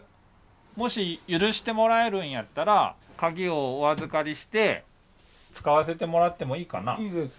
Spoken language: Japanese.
もし許してもらえるんやったら鍵をお預かりして使わせてもらってもいいかな？